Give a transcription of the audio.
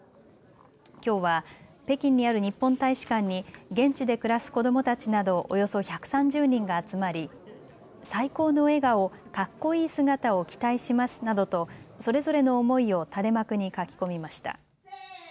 きょうは北京にある日本大使館に現地で暮らす子どもたちなどおよそ１３０人が集まり最高の笑顔、カッコイイ姿を期待しますなどとそれぞれの思いを垂れ幕に書き込みました。